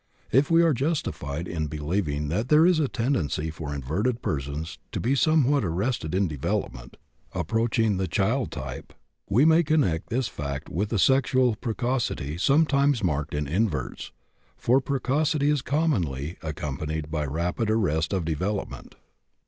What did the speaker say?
If we are justified in believing that there is a tendency for inverted persons to be somewhat arrested in development, approaching the child type, we may connect this fact with the sexual precocity sometimes marked in inverts, for precocity is commonly accompanied by rapid arrest of development.